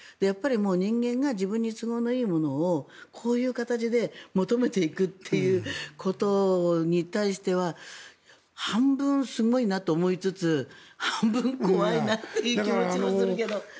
人間が自分に都合のいいものをこういう形で求めていくということに対しては半分、すごいなと思いつつ半分、怖いなという気持ちもするけど。